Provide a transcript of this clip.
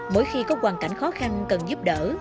mỗi khi có hoàn cảnh khó khăn cần giúp đỡ